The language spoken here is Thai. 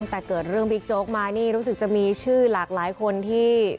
ตั้งแต่เกิดเรื่องบิ๊กโจ๊กมานี่รู้สึกจะมีชื่อหลากหลายคนที่